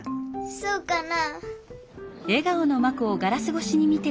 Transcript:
そうかな？